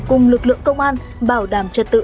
cùng lực lượng công an bảo đảm trật tự